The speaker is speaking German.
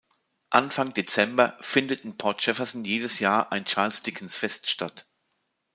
Anfang Dezember findet in Port Jefferson jedes Jahr ein Charles-Dickens-Fest statt.